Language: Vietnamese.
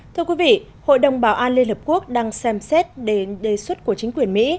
thưa quý vị hội đồng bảo an liên hợp quốc đang xem xét để đề xuất của chính quyền mỹ